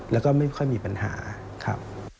แล้วก็ไม่ค่อยมีปัญหาครับ